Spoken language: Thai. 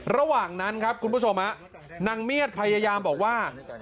ระหว่างนั้นครับคุณผู้ชมนางเมียดพยายามบอกว่า